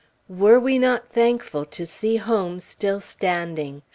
Were we not thankful to see home still standing!